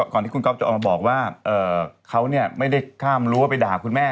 ก่อนที่คุณก๊อฟจะออกมาบอกว่าเขาไม่ได้ข้ามรั้วไปด่าคุณแม่